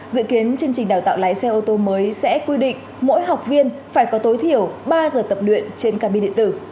dự kiến chương trình đào tạo lái xe ô tô mới sẽ quy định mỗi học viên phải có tối thiểu ba giờ tập luyện trên cabin điện tử